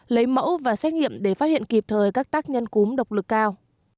lấy mẫu và xét nghiệm để phát hiện kịp thời các tác nhân cúm độc lực cao